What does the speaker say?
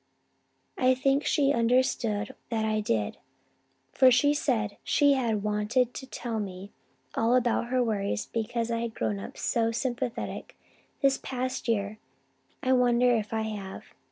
I think she understood that I did, for she said she had wanted to tell me all about her worries because I had grown so sympathetic this past year. I wonder if I have.